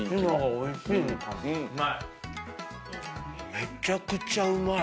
めちゃくちゃうまい！